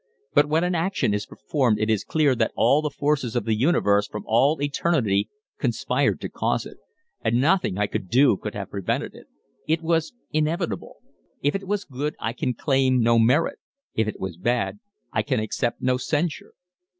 But when an action is performed it is clear that all the forces of the universe from all eternity conspired to cause it, and nothing I could do could have prevented it. It was inevitable. If it was good I can claim no merit; if it was bad I can accept no censure."